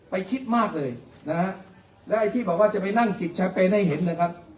คิดมากเลยนะฮะแล้วไอ้ที่บอกว่าจะไปนั่งจิตแคเปนให้เห็นนะครับ